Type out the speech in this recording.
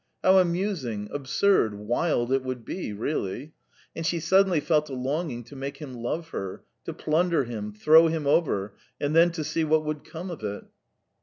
How amusing, absurd, wild it would be really! And she suddenly felt a longing to make him love her, to plunder him, throw him over, and then to see what would come of it.